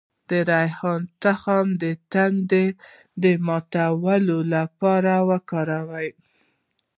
د ریحان تخم د تندې د ماتولو لپاره وکاروئ